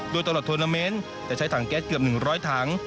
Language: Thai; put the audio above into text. โดยตลอดทวนาเมนต์จะใช้ถังแก๊สเกือบ๑๐๐ถัง